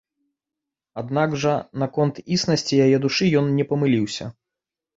Аднак жа наконт існасці яе душы ён не памыліўся.